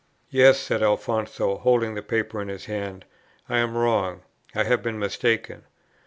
'Yes,' said Alfonso, holding the paper in his hand, 'I am wrong, I have been mistaken.'